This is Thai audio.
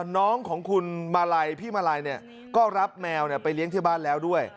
น้องของคุณมาลัยพี่มาลัยก็รับแมวไปเลี้ยงที่บ้านแล้วด้วย